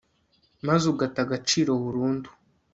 maze ugata agaciro burundu